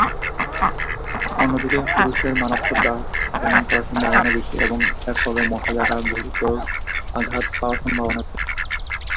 অন্যদিকে, পুরুষদের মারাত্মক গার্হস্থ্য আক্রমণ করার সম্ভাবনা বেশি, এবং এর ফলে মহিলারা গুরুতর আঘাত পাওয়ার সম্ভাবনা বেশি।